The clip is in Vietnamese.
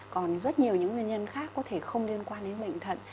còn rất nhiều những nguyên nhân khác có thể không liên quan đến bệnh thận